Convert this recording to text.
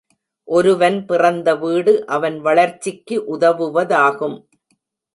ஒருவன் பிறந்த வீடு அவன் வளர்ச்சிக்கு உதவுவதாகும்.